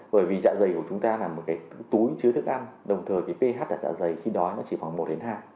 bởi vì dạ dày của chúng ta là một cái túi chứa thức ăn đồng thời cái ph của dạ dày khi đói nó chỉ khoảng một đến hai